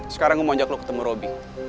sekarang gue mau ajak lo ketemu robby